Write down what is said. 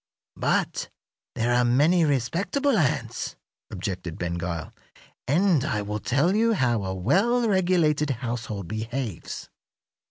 "But there are many respectable ants," objected Ben Gile, "and I will tell you how a well regulated household behaves.